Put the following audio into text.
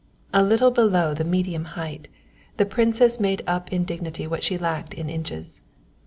A little below the medium height, the Princess made up in dignity what she lacked in inches.